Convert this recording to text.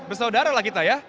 bersaudara lah kita ya